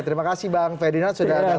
terima kasih bang ferdinand sudah datang